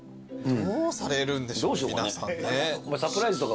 どうされるんでしょう皆さんね。